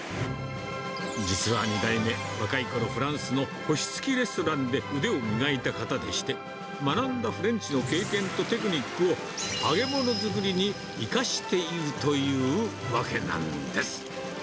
実は２代目、若いころ、フランスの星付きレストランで腕を磨いた方でして、学んだフレンチの経験とテクニックを、揚げ物作りに生かしているというわけなんです。